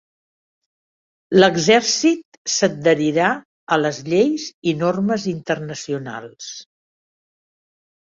L'exèrcit s'adherirà a les lleis i normes internacionals.